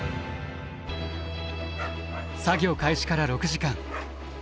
作業開始から６時間。